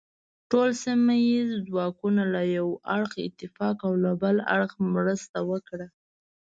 ټول سیمه ییز ځواکونه له یو اړخه او نفاق له بل اړخه مرسته وکړه.